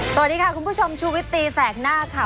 สวัสดีค่ะคุณผู้ชมชูวิตตีแสกหน้าค่ะ